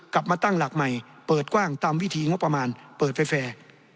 กลับมาตั้งหลักใหม่เปิดกว้างตามวิธีงบประมาณเปิดแฟร์